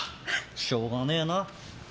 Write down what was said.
しょうがねえな。